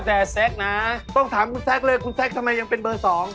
ต้องถามคุณแซคเลยคุณแซคทำไมยังเป็นเบอร์สอง